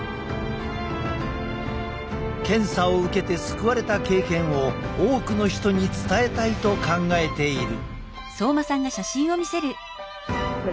検査を受けて救われた経験を多くの人に伝えたいと考えている。